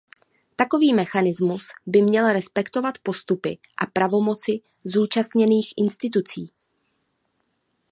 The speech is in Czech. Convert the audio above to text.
Takový mechanismus by měl respektovat postupy a pravomoci zúčastněných institucí.